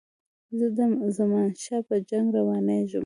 د زمانشاه په جنګ روانیږي.